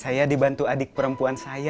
saya dibantu adik perempuan saya